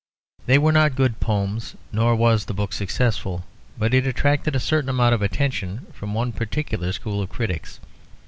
They were not good poems, nor was the book successful, but it attracted a certain amount of attention from one particular school of critics.